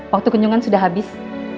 waktu kunjungan sudah habis